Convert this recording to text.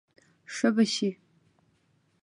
ښه به شې.